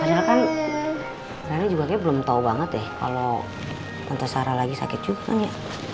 padahal kan rana juga kayaknya belum tau banget ya kalau tante sarah lagi sakit juga kan ya